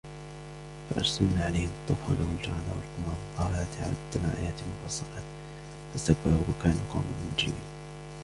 فَأَرْسَلْنَا عَلَيْهِمُ الطُّوفَانَ وَالْجَرَادَ وَالْقُمَّلَ وَالضَّفَادِعَ وَالدَّمَ آيَاتٍ مُفَصَّلَاتٍ فَاسْتَكْبَرُوا وَكَانُوا قَوْمًا مُجْرِمِينَ